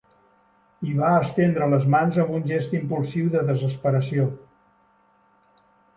I va estendre les mans amb un gest impulsiu de desesperació.